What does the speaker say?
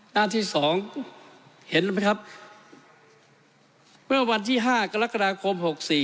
หน้าที่๒เห็นไหมครับเมื่อวันที่๕กรกฎาคม๖๔